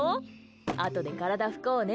あとで体拭こうね。